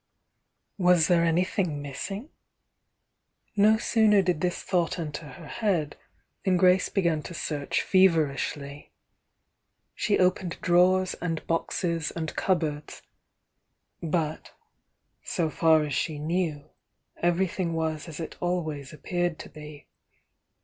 Was there anything missing? No sooner did this thought enter her head than Grace began to search fever ishly. She opened drawers and boxes and cupboards, —but, so far as she knew, everything was as it al ways appeared to be.